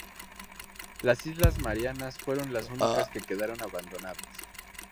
Las islas Marianas fueron las únicas que quedaron abandonadas.